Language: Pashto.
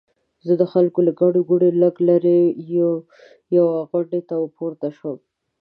زه د خلکو له ګڼې ګوڼې لږ لرې یوې غونډۍ ته پورته شوم.